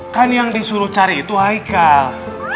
kan yang disuruh cari itu haikal